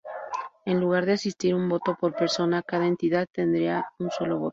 En lugar de asistir un voto por persona, cada entidad tendrá un solo voto.